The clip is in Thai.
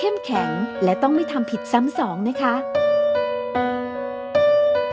มาตอนก่อนประกวดพี่ต้องถามแล้วนะ